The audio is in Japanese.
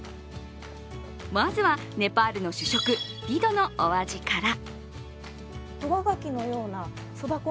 まずはネパールの主食、ディドのお味から。